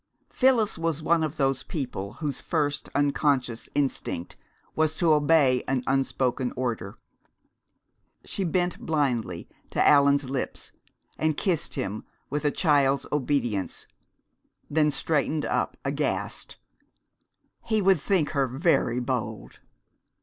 Phyllis was one of those people whose first unconscious instinct is to obey an unspoken order. She bent blindly to Allan's lips, and kissed him with a child's obedience, then straightened up, aghast. He would think her very bold!